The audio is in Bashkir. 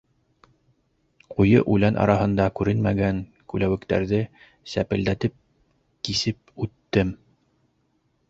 Ҡуйы үлән араһында күренмәгән күләүектәрҙе сәпелдәтеп кисеп үттем.